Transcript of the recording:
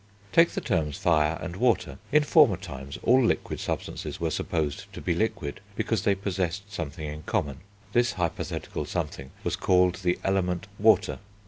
Take the terms Fire and Water. In former times all liquid substances were supposed to be liquid because they possessed something in common; this hypothetical something was called the Element, Water.